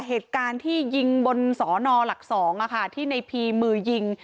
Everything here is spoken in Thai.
เหตุการณ์ที่ยิงบนสอนอหลัก๒ที่ในพีมือยิง